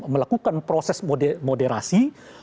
melakukan proses moderasi